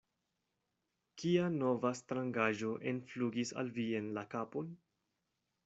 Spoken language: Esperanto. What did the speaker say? Kia nova strangaĵo enflugis al vi en la kapon?